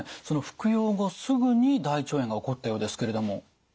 その服用後すぐに大腸炎が起こったようですけれども。